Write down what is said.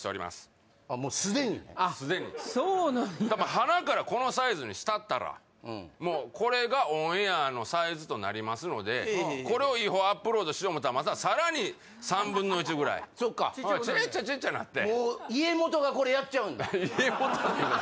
はなからこのサイズにしたったらもうこれがオンエアのサイズとなりますのでこれを違法アップロードしようと思ったら、また更に３分の１ぐらいちっちゃ、ちっちゃなって。